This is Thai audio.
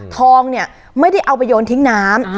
ทองเนี่ยไม่ได้เอาไปโยนทิ้งน้ำ